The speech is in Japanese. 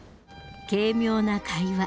軽妙な会話。